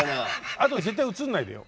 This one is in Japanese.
あと絶対映んないでよ。